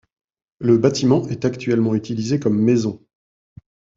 Le bâtiment est actuellement utilisé comme maison.